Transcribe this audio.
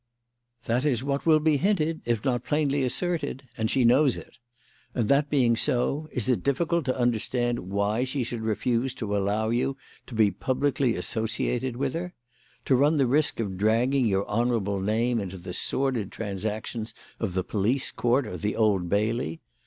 "That is what will be hinted, if not plainly asserted; and she knows it. And that being so, is it difficult to understand why she should refuse to allow you to be publicly associated with her? To run the risk of dragging your honourable name into the sordid transactions of the police court or the Old Bailey?